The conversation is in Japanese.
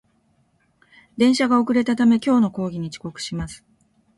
電車が遅れたため、今日の講義に遅刻します